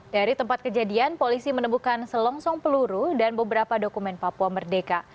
dari tempat kejadian polisi menemukan selongsong peluru dan beberapa dokumen papua merdeka